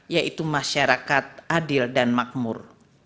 yaitu masyarakat adil dan makmur